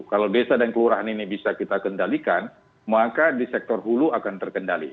kalau desa dan kelurahan ini bisa kita kendalikan maka di sektor hulu akan terkendali